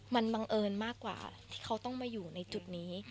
มันบังเอิญมากกว่าที่เขาต้องมาอยู่ในจุดนี้